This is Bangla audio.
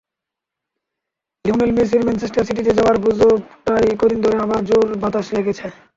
লিওনেল মেসির ম্যানচেস্টার সিটিতে যাওয়ার গুজবটায় কদিন ধরে আবার জোর বাতাস লেগেছে।